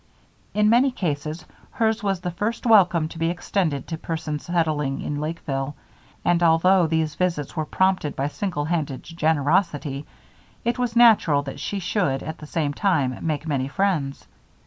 In many cases, hers was the first welcome to be extended to persons settling in Lakeville, and although these visits were prompted by single minded generosity, it was natural that she should, at the same time, make many friends.